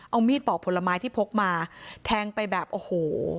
เอามีดปอกผลไม้ที่พกมาแทงไปแบบโอ้โห